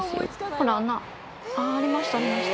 ほら、穴。ありました、ありました。